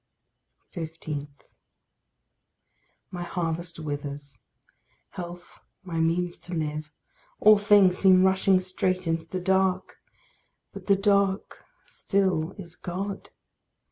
15. My harvest withers. Health, my means to live All things seem rushing straight into the dark. But the dark still is God.